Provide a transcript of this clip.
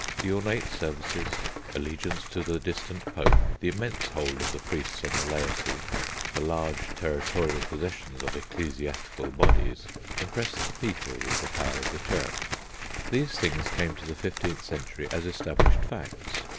The ornate services, allegiance to the distant Pope, the immense hold of the priests on the laity, the large territorial possessions of ecclesiastical bodies, impressed the people with the power of the Church. These things came to the fifteenth century as established facts.